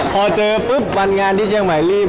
พอเจอปุ๊บวันงานที่เชียงใหม่รีบ